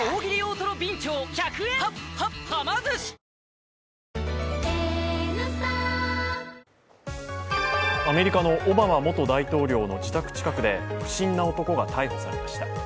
ニトリアメリカのオバマ元大統領の自宅近くで不審な男が逮捕されました。